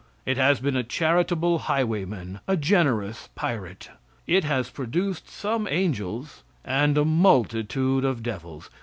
It has been a charitable highwayman, a generous pirate. It has produced some angels and a multitude of devils.